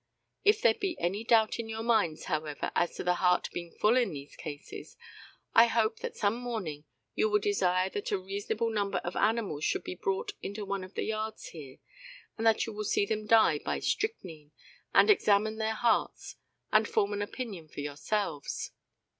If there be any doubt in your minds, however, as to the heart being full in these cases, I hope that some morning you will desire that a reasonable number of animals should be brought into one of the yards here, and that you will see them die by strychnine, and examine their hearts, and form an opinion for yourselves.